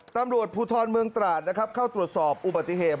ตำรวจภูทรเมืองตราดนะครับเข้าตรวจสอบอุบัติเหตุ